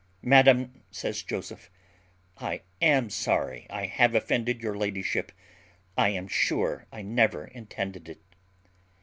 "Madam," says Joseph, "I am sorry I have offended your ladyship, I am sure I never intended it."